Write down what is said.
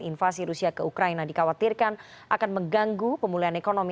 invasi rusia ke ukraina dikhawatirkan akan mengganggu pemulihan ekonomi